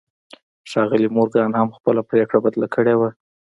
ښاغلي مورګان هم خپله پرېکړه بدله کړې وه.